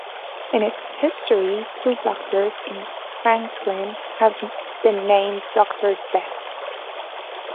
In its history, two doctors in Franklin have been named "Doctor Death".